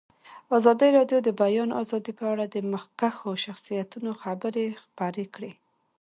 ازادي راډیو د د بیان آزادي په اړه د مخکښو شخصیتونو خبرې خپرې کړي.